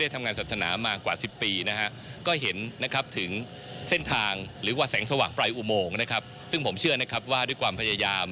ดูแลมาบานกว่าสิบปีนะฮะก็เห็นนะครับถึงเซ่นทางหรือว่าแสงสว่างปลายอุโมงนะครับซึ่งผมเชื่อนะครับว่าด้วย